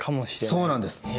そうなんです。